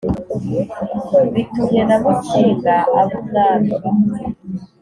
Bitumye na Musinga aba Umwami !